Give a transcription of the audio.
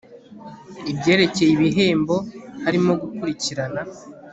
ibyerekeye ibihembo harimo gukurikirana